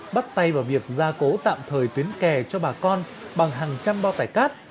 bắt tay vào việc gia cố tạm thời tuyến kè cho bà con bằng hàng trăm bao tải cát